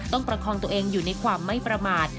ประคองตัวเองอยู่ในความไม่ประมาท